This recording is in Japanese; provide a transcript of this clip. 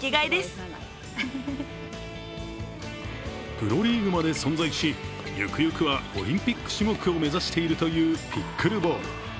プロリーグまで存在し行く行くはオリンピック種目を目指しているという、ピックルボール。